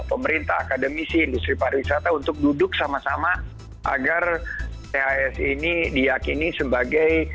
pemerintah akademisi industri pariwisata untuk duduk sama sama agar ths ini diakini sebagai